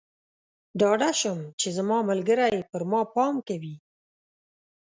ډاډه شم چې زما ملګری پر ما پام کوي.